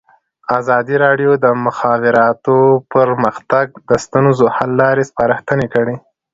ازادي راډیو د د مخابراتو پرمختګ د ستونزو حل لارې سپارښتنې کړي.